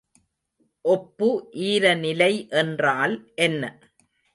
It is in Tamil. ஒப்பு ஈரநிலை என்றால் என்ன?